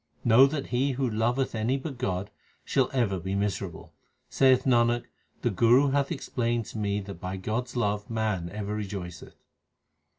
Know that he who loveth any but God, shall ever be miserable. Saith Nanak, the Guru hath explained to me that by God s love man ever rejoiceth.